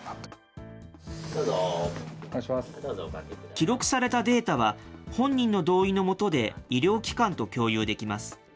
記録されたデータは、本人の同意の下で、医療機関と共有できます。